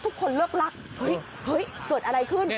ทุกคนเลิกรักเฮ้ยเกิดอะไรขึ้น